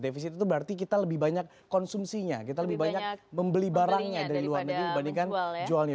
defisit itu berarti kita lebih banyak konsumsinya kita lebih banyak membeli barangnya dari luar negeri dibandingkan jualnya